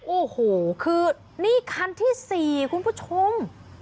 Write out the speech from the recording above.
โอ้โหคือนี่คันที่๔คุณผู้ชม